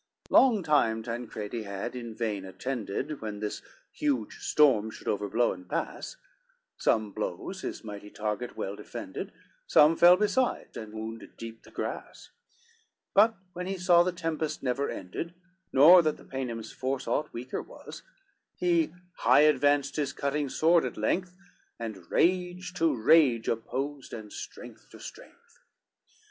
XLVII Long time Tancredi had in vain attended When this huge storm should overblow and pass, Some blows his mighty target well defended, Some fell beside, and wounded deep the grass; But when he saw the tempest never ended, Nor that the Paynim's force aught weaker was, He high advanced his cutting sword at length, And rage to rage opposed, and strength to strength.